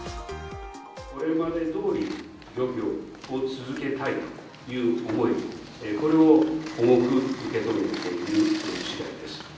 これまでで通り漁業を続けたいという思い、これを重く受け止めている次第です。